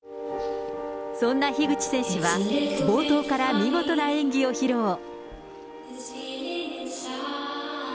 そんな樋口選手は、冒頭から見事な演技を披露。